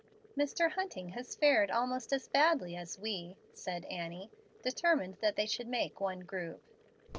"Mr. Hunting has fared almost as badly as we," said Annie, determined that they should make one group.